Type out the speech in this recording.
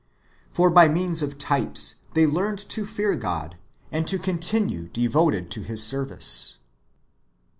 For by means of types they learned to fear Godj and to continue devoted to His service.